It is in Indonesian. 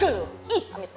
geluh ih amit kamu